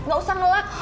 gak usah ngelak